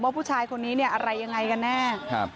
ว่าผู้ชายคนนี้อะไรยังไงกันแน่